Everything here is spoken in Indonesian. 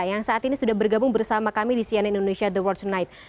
yang saat ini sudah bergabung bersama kami di cnn indonesia the world tonight